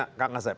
tidak enggak seb